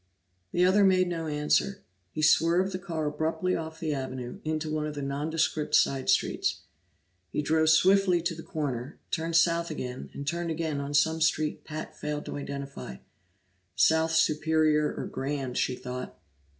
The other made no answer; he swerved the car abruptly off the avenue, into one of the nondescript side streets. He drove swiftly to the corner, turned south again, and turned again on some street Pat failed to identify South Superior or Grand, she thought.